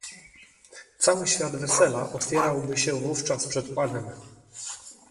"Cały świat wesela otwierałby się wówczas przed panem."